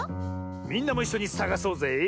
みんなもいっしょにさがそうぜ！